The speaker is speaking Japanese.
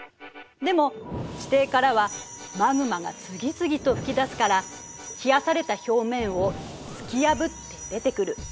でも地底からはマグマが次々と噴き出すから冷やされた表面を突き破って出てくる。